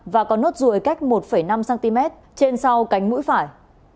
và có nốt ruồi cách một năm cm trên sau cánh mũi phải